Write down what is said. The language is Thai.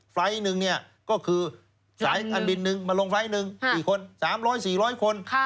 ไฟล์ทหนึ่งเนี่ยก็คือสายการบินนึงมาลงไฟล์หนึ่ง๔คน๓๐๐๔๐๐คน